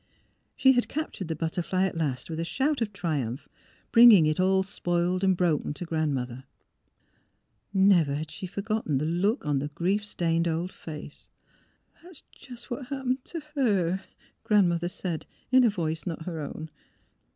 She had captured the butterfly at last with a shout of triumph, bringing it all spoiled and broken to Grandmother. ... Never had she forgotten the look on the grief stained old face. " That's just what happened to her," Grandmother said, in a voice not her own.